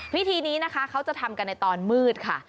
พิธีนี้นะคะเขาจะทำกันในตอนมืดค่ะ